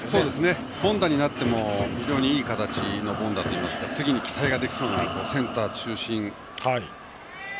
凡打になっても非常にいい形の凡打といいますか次に期待ができそうなセンター中心の打撃。